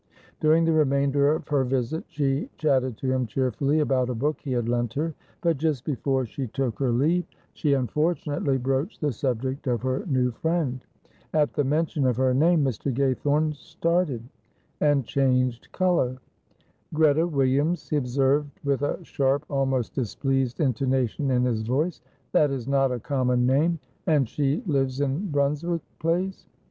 During the remainder of her visit she chatted to him cheerfully about a book he had lent her; but just before she took her leave she unfortunately broached the subject of her new friend. At the mention of her name Mr. Gaythorne started and changed color. "Greta Williams," he observed, with a sharp, almost displeased intonation in his voice. "That is not a common name. And she lives in Brunswick Place?"